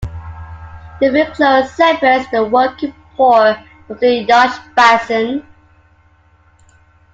The Ville Close separates the working port from the yacht basin.